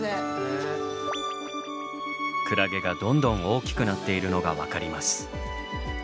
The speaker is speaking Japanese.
クラゲがどんどん大きくなっているのが分かります。